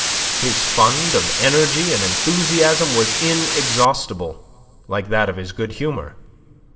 His fund of energy and enthusiasm was inexhaustible, like that of his good humour.